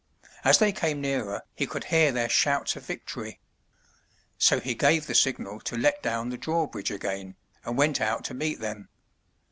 As they came nearer, he could hear their shouts of victory. So he gave the signal to let down the drawbridge again, and went out to meet them.